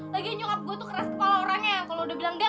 lagian nyokap gue tuh keras kepala orangnya